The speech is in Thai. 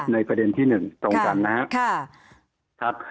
ในประเด็นที่๑ตรงกันนะครับ